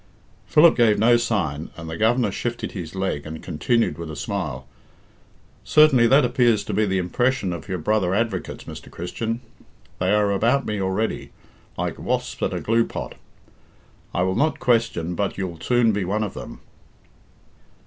Philip gave no sign, and the Governor shifted his leg and continued with a smile, "Certainly that appears to be the impression of your brother advocates, Mr. Christian; they are about me already, like wasps at a glue pot. I will not question but you'll soon be one of them."